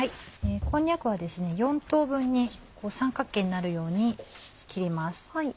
こんにゃくは４等分に三角形になるように切ります。